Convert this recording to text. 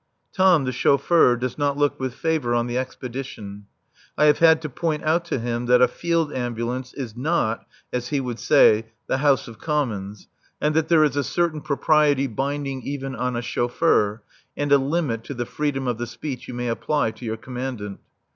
Tom, the chauffeur, does not look with favour on the expedition. I have had to point out to him that a Field Ambulance is not, as he would say, the House of Commons, and that there is a certain propriety binding even on a chauffeur and a limit to the freedom of the speech you may apply to your Commandant.